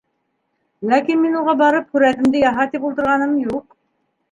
Ләкин мин уға барып, һүрәтемде яһа, тип ултырғаным юҡ.